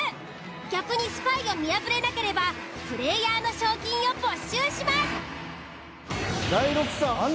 逆にスパイを見破れなければプレイヤーの賞金を没収します。